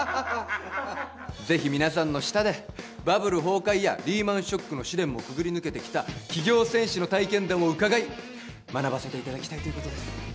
ぜひ皆さんの下でバブル崩壊やリーマンショックの試練もくぐり抜けてきた企業戦士の体験談を伺い学ばせていただきたいということです